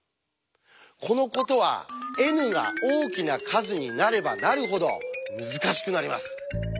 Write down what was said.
このことはＮが大きな数になればなるほど難しくなります。